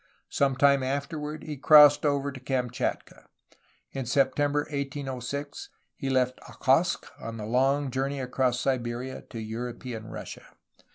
Some time afterward he crossed over to Kamchatka. In September 1806 he left Okhotsk on the long journey across Siberia to European Russia.